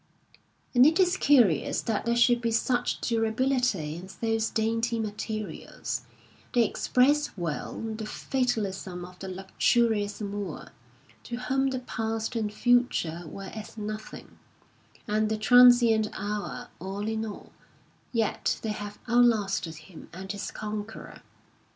And it is curious that there should be such dura bility in those dainty materials : they express well the fatalism of the luxurious Moor, to whom the past and future were as nothing, and the transient hour all in all ; yet they have outlasted him and his conqueror.